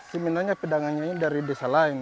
sebenarnya pedangannya ini dari desa lain